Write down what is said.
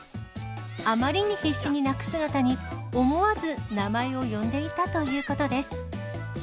あまりに必死に鳴く姿に、思わず名前を呼んでいたということです。